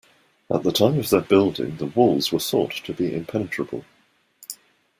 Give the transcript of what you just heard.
At the time of their building, the walls were thought to be impenetrable.